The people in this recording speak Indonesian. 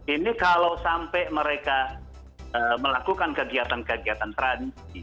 ini kalau sampai mereka melakukan kegiatan kegiatan tradisi